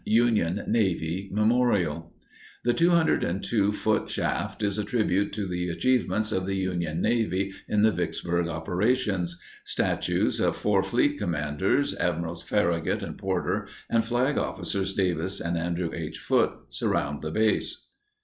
UNION NAVY MEMORIAL. The 202 foot shaft is a tribute to the achievements of the Union Navy in the Vicksburg operations. Statues of four fleet commanders, Admirals Farragut and Porter and Flag Officers Davis and Andrew H. Foote, surround the base.